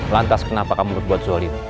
lantas kenapa kamu berbuat zolid